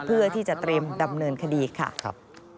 เพื่อที่จะเตรียมดำเนินคดีค่ะ